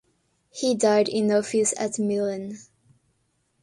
He died in office at Milan.